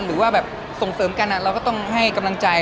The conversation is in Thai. หรือว่าแบบส่งเสริมกันเราก็ต้องให้กำลังใจ